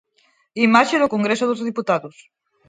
Imaxe do Congreso dos Deputados.